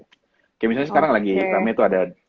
kayak misalnya sekarang lagi kami itu ada